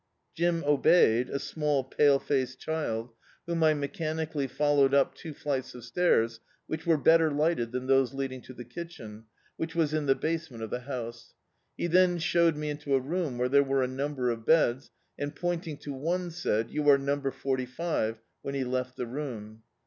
Jim obeyed, a small, pale faced child, D,i.,.db, Google London whom I mechanically followed up two flights of stairs, which were better lighted than those leading to the kitchen, which was in the basement of the house. He then showed me into a room where there were a number of beds, and, pointing to one, said — "You arc number forty five," when he left the Tocm.